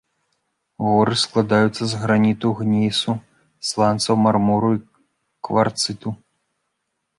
Горы складаюцца з граніту, гнейсу, сланцаў, мармуру і кварцыту.